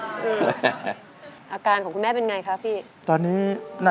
สวัสดีครับ